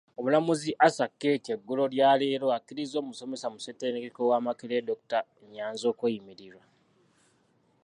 Omulamuzi Acaa Ketty eggulo lyaleero akkirizza omusomesa mu ssettendekero wa Makerere dokita Nnyanzi okweyimirirwa.